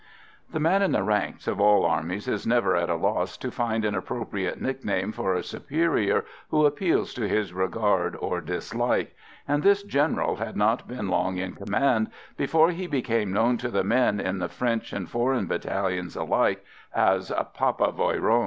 The man in the ranks of all armies is never at a loss to find an appropriate nickname for a superior who appeals to his regard or dislike, and this General had not been long in command before he became known to the men, in the French and foreign battalions alike, as "Papa Voyron."